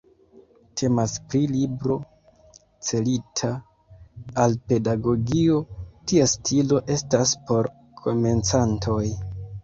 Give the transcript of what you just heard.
Temas pri libro celita al pedagogio, ties stilo estas por komencantoj.